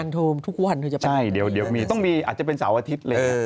ต้องมีอาจจะเป็นเสาร์อาทิตย์เลย